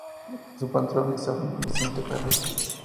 Su patrón es San Vicente Ferrer.